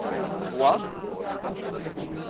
Poá